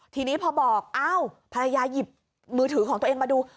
ทีนี้พอบอกอ้าวภรรยาหยิบมือถือของตัวเองมาดู